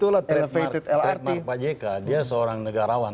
itulah trademark pak jk dia seorang negarawan